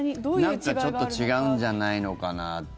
なんかちょっと違うんじゃないのかなって。